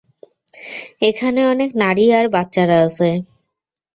এখানে অনেক নারী আর বাচ্চারা আছে।